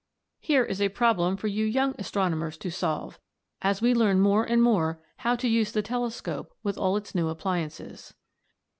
] "Here is a problem for you young astronomers to solve, as we learn more and more how to use the telescope with all its new appliances."